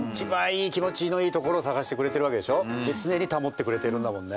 常に保ってくれてるんだもんね。